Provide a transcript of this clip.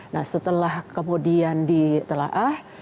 nah setelah kemudian ditelaah